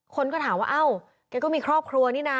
คนก็ถามว่าเอ้าแกก็มีครอบครัวนี่นะ